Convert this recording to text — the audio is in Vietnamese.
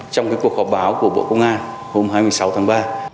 trong cuộc họp báo của bộ công an hôm hai mươi sáu tháng ba